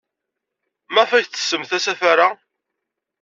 Maɣef ay tettessem asafar-a?